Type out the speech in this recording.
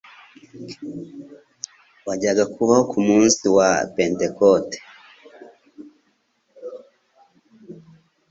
wajyaga kubaho ku munsi wa Pentekote.